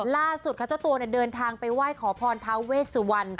ล่าสุดค่ะเจ้าตัวเดินทางไปไหว้ขอพรทาเวสวรรณ